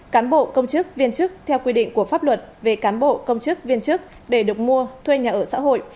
cán bộ công chức viên chức theo quy định của pháp luật về cán bộ công chức viên chức để được mua thuê nhà ở xã hội